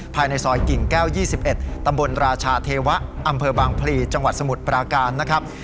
ภายในซอยกิ่งแก้ว๒๑ตำบลราชาเทวะอำเภอบางพลีจังหวัดสมุทรปราการนะครับ